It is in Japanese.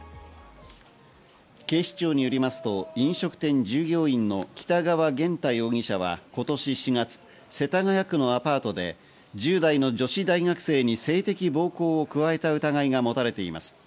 警視庁によりますと飲食店従業員の北川元大容疑者は今年４月、世田谷区のアパートで１０代の女子大学生に性的暴行を加えた疑いが持たれています。